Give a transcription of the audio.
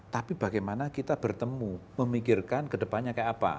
tapi bagaimana kita bertemu memikirkan kedepannya kayak apa